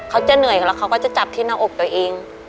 เขาจะเหนื่อยแล้วเขาก็จะจับที่หน้าอกตัวเอง